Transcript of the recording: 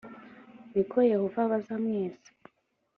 ni ko yehova abaza mwese